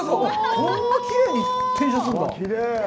こんなきれいに転写するんだ。